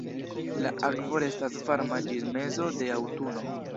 La akvo restas varma ĝis mezo de aŭtuno.